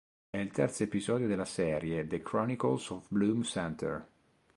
È il terzo episodio della serie "The Chronicles of Bloom Center".